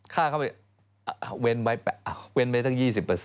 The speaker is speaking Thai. ข้าเข้าไปเว้นไปตั้ง๒๐